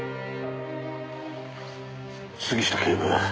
杉下警部。